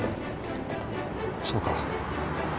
そうか。